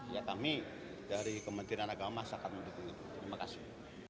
ya kami dari kementerian agama saya akan mendukung terima kasih